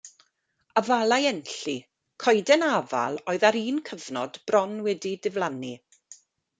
Afalau Enlli, coeden afal oedd ar un cyfnod bron wedi diflannu.